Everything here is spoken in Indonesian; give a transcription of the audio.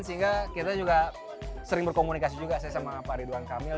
sehingga kita juga sering berkomunikasi juga saya sama pak ridwan kamil